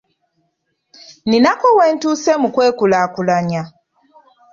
Ninako we ntuuse mu kwekulaakulanya.